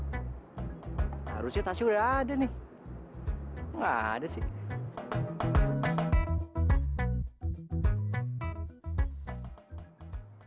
harusnya taswi udah ada nih nggak ada sih